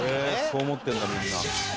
「そう思ってるんだみんな」